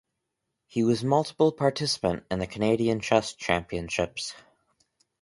He was multiple participant in the Canadian Chess Championships.